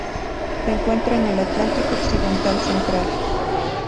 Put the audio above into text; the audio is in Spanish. Se encuentra en el Atlántico occidental central.